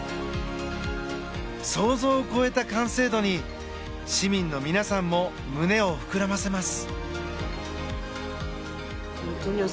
想像を超えた完成度に市民の皆さんも胸を膨らませます。